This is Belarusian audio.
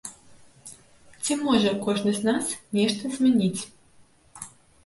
Ці можа кожны з нас нешта змяніць?